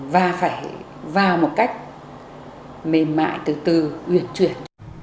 và phải vào một cách mềm mại từ từ uyển chuyển